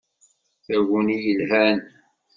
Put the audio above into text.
Taguni yelhan!